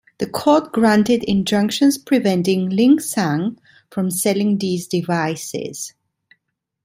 The court granted injunctions preventing Lik-Sang from selling these devices.